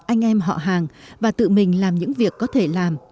anh em họ hàng và tự mình làm những việc có thể làm